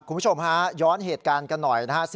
คุณผู้ชมฮะย้อนเหตุการณ์กันหน่อยนะฮะ